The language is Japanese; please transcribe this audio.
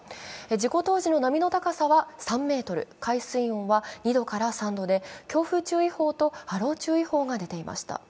事故当時の波の高さは３ｍ海水温は２度から３度で、強風注意報と波浪注意報が出ていました。